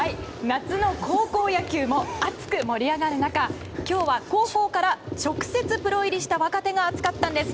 夏の高校野球も熱く盛り上がる中今日は高校から直接プロ入りした若手が熱かったんです。